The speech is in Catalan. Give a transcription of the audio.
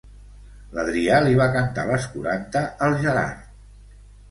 L'Adrià li va cantar les quaranta al Gerard.